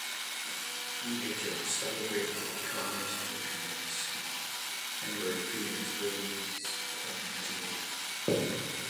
We had just celebrated Ghana's independence, and were three years ways from Nigeria's.